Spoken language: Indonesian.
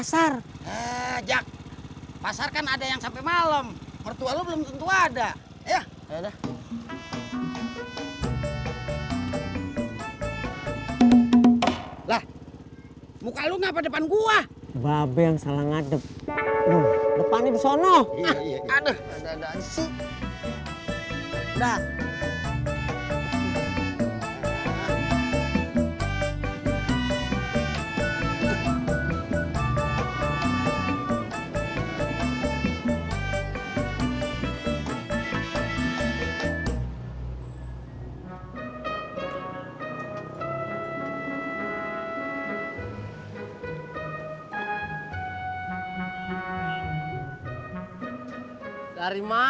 saksikan film kamu tidak sendiri